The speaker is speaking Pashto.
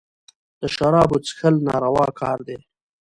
د شرابو څېښل ناروا کار دئ.